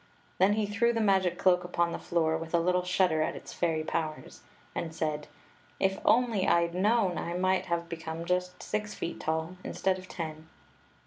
Then he threw the magic cloak upon the floor, with a little shudder at its fairy powers, and said :" If I 'd only known, I might have become just six feet tall instead of ten